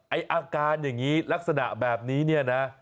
อาการอย่างนี้ลักษณะแบบนี้เนี่ยนะ